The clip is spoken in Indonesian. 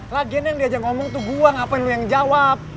lagian yang diajak ngomong tuh gua ngapain lu yang jawab